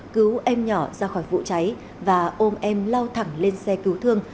cứu em nhỏ ra khỏi vụ cháy và ôm em lao thẳng lên xe cứu thương